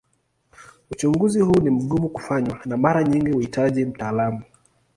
Uchunguzi huu ni mgumu kufanywa na mara nyingi huhitaji mtaalamu.